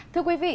thưa quý vị